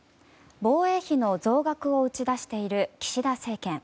防衛費の増額を打ち出している岸田政権。